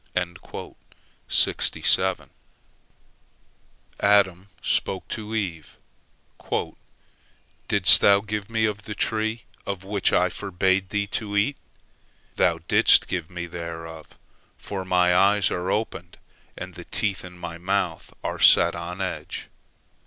" Adam spoke to Eve: "Didst thou give me of the tree of which I forbade thee to eat? Thou didst give me thereof, for my eyes are opened, and the teeth in my mouth are set on edge."